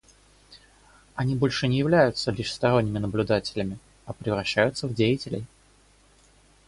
Они больше не являются лишь сторонними наблюдателями, а превращаются в деятелей.